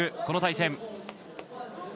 この対戦。